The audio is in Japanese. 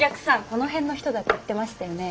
この辺の人だって言ってましたよね。